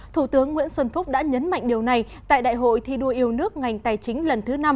thủ tướng nguyễn xuân phúc đã nhấn mạnh điều này tại đại hội thi đua yêu nước ngành tài chính lần thứ năm